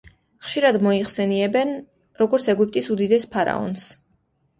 ხშირად მოიხსენებენ როგორც ეგვიპტის უდიდეს ფარაონს.